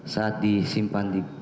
saat disimpan di